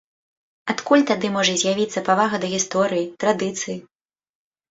Адкуль тады можа з'явіцца павага да гісторыі, традыцыі?